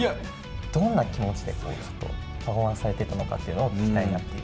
どんな気持ちで、ずっとパフォーマンスされてたのかというのを聞きたいなっていう。